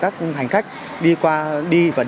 cảng hàng không quốc tế vinh